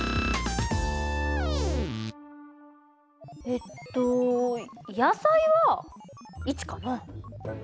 えっと野菜は１かな？